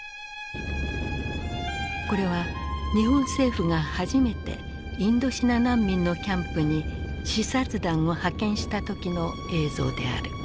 これは日本政府が初めてインドシナ難民のキャンプに視察団を派遣した時の映像である。